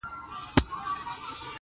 د خدای کار وو هلکان دواړه لویان سوه-